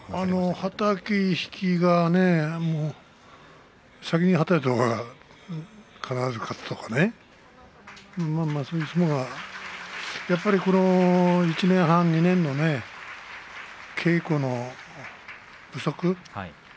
はたき、引きが先にはたいたほうが必ず勝つとかねそういう相撲がやっぱりこの１年、２年の稽古不足